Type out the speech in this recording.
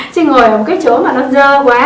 chứ ngồi ở một cái chỗ mà nó dơ quá